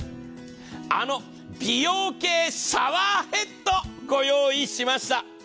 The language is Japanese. あの、美容系シャワーヘッド、ご用意しました。